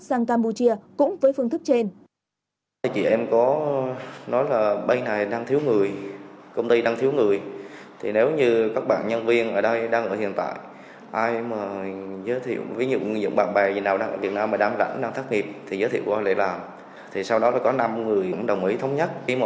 sang campuchia cũng với phương thức trên